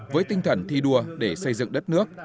với tinh thần thi đua để xây dựng đất nước